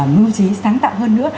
mưu trí sáng tạo hơn nữa